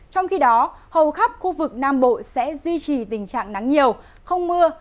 trong khi đó hầu khắp khu vực nam bộ sẽ duy trì tình trạng nắng nhiều không mưa